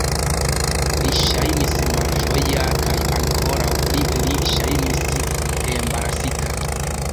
Li ŝajnis malĝoja kaj ankoraŭ pli li ŝajnis embarasita.